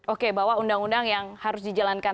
oke bahwa undang undang yang harus dijalankan